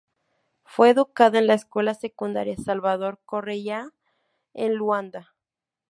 Fue educada en la escuela secundaria Salvador Correia en Luanda.